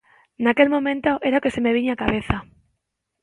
Naquel momento era o que se me viña á cabeza.